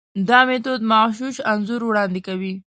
دا میتود مغشوش انځور وړاندې کوي.